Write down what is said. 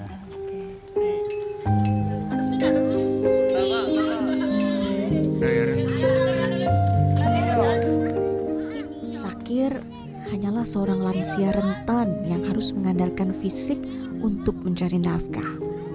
sakir hanyalah seorang lansia rentan yang harus mengandalkan fisik untuk mencari nafkah